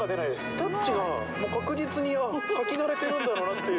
タッチが確実に描き慣れてるんだろうなっていう。